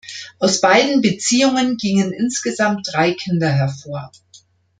Aus beiden Beziehungen gingen insgesamt drei Kinder hervor.